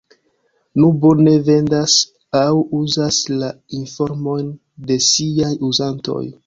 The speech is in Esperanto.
Nubo ne vendas aŭ uzas la informojn de siaj uzantoj.